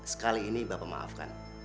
sekali ini bapak maafkan